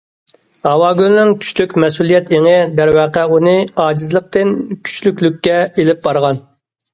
ھاۋاگۈلنىڭ كۈچلۈك مەسئۇلىيەت ئېڭى دەرۋەقە ئۇنى ئاجىزلىقتىن كۈچلۈكلۈككە ئېلىپ بارغان.